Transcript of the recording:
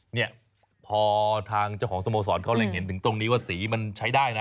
เนี่ยพอทางเจ้าของสโมสรเขาเล็งเห็นถึงตรงนี้ว่าสีมันใช้ได้นะ